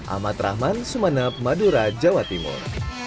ahmad rahman sumeneb madura jawa timur